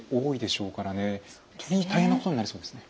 本当に大変なことになりそうですね。